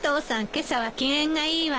今朝は機嫌がいいわね。